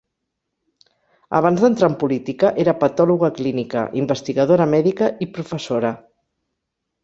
Abans d'entrar en política era patòloga clínica, investigadora mèdica i professora.